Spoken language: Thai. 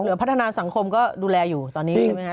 หรือว่าพัฒนาสังคมก็ดูแลอยู่ตอนนี้ใช่ไหมนะ